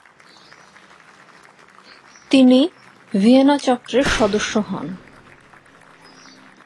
তিনি ভিয়েনা চক্রের সদস্য হন।